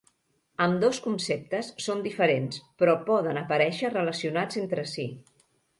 Ambdós conceptes són diferents, però poden aparèixer relacionats entre si.